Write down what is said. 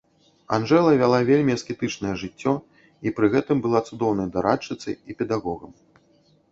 Анжэла вяла вельмі аскетычнае жыццё і пры гэтым была цудоўнай дарадчыцай і педагогам.